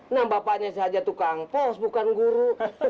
nah bapaknya saja tukang pos bukan guru